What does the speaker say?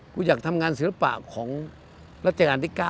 กูอยากทำงานศิลปะของรัชกาลที่๙